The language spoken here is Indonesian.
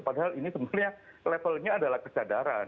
padahal ini sebenarnya levelnya adalah kesadaran